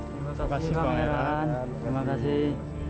terima kasih pangeran terima kasih